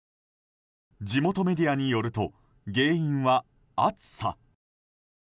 地元メディアによると原因は暑さ。